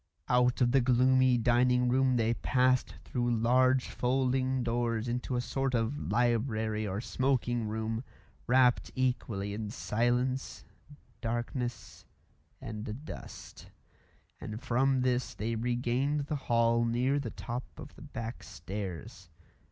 Out of the gloomy dining room they passed through large folding doors into a sort of library or smoking room, wrapt equally in silence, darkness, and dust; and from this they regained the hall near the top of the back stairs.